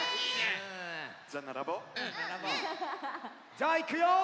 じゃあいくよ。